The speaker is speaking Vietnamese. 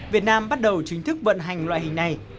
việt nam bắt đầu chính thức vận hành loại hình này